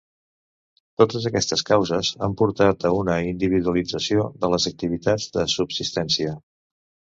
Totes aquestes causes han portat a una individualització de les activitats de subsistència.